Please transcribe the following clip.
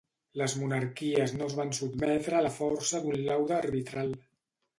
Les monarquies no es van sotmetre a la força d'un laude arbitral.